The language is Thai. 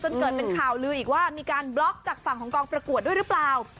เกิดเป็นข่าวลืออีกว่ามีการบล็อกจากฝั่งของกองประกวดด้วยหรือเปล่า